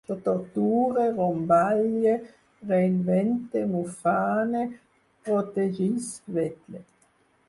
Jo torture, romballe, reinvente, m'ufane, protegisc, vetle